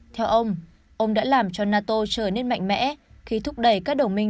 theo ông ông đã làm cho nato trở nên mạnh mẽ khi thúc đẩy các đồng minh